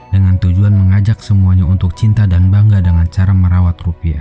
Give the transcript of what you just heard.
dengan tujuan mengajak semuanya untuk cinta dan bangga dengan cara merawat rupiah